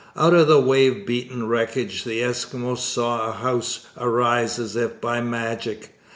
Out of the wave beaten wreckage the Eskimos saw a house arise as if by magic.